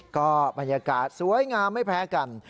ก็บรรยากาศสวยงามไม่แพ้กัน